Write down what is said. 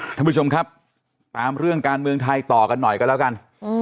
ท่านผู้ชมครับตามเรื่องการเมืองไทยต่อกันหน่อยกันแล้วกัน